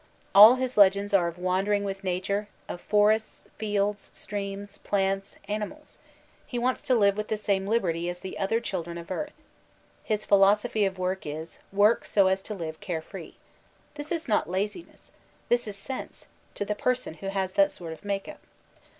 All his l^;end8 are of wanderings with nature, of forests, fields, streams, plants, animals. He wants to live with the same liberty as the other children of earth. His philosophy of work is, Work so as to live care free. This is not laziness ; this is sense — ^to the person who has that sort of make up.